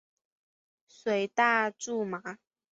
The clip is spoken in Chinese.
大水苎麻